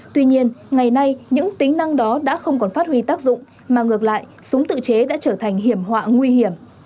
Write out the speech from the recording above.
tuy nhiên ngày nay những tính năng đó đã không còn phát huy tác dụng mà ngược lại súng tự chế đã trở thành hiểm họa nguy hiểm